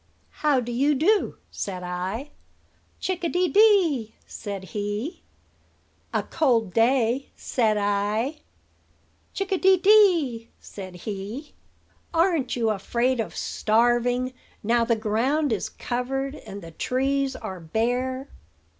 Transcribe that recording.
"'How do you do?' said I. "'Chick a dee dee,' said he. "'A cold day,' said I. "'Chick a dee dee,' said he. "'Aren't you afraid of starving, now the ground is covered and the trees are bare?'